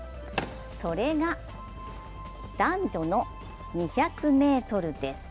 それが男女の２００ｍです。